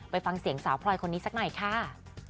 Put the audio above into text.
ไปฟังเสียงสาวพลอยคนนี้สักหน่อยค่ะ